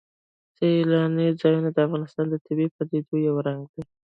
سیلانی ځایونه د افغانستان د طبیعي پدیدو یو رنګ دی.